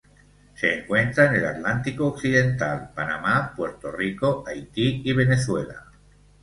Se encuentra en el Atlántico occidental: Panamá, Puerto Rico, Haití y Venezuela.